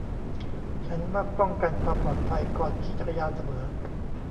ฉันมักป้องกันความปลอดภัยก่อนขี่จักรยานเสมอ